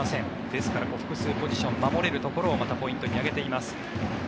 ですから複数ポジション守れるところをポイントに挙げています。